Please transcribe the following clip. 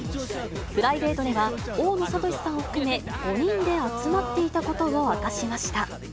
プライベートでは大野智さんを含め、５人で集まっていたことを明かしました。